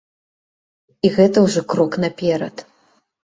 І гэта ўжо крок наперад.